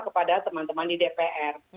kepada teman teman di dpr